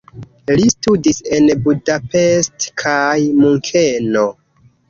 Li studis en Budapest kaj Munkeno.